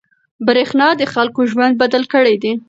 برېښنا د خلکو ژوند بدل کړی دی.